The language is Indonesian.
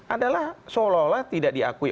adalah seolah olah tidak diakui